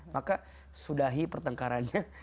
maka sudahi pertengkarannya